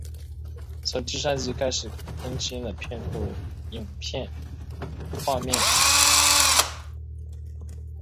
从第十三集开始更新了片头影片画面。